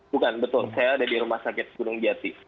bukan betul saya ada di rumah sakit gunung jati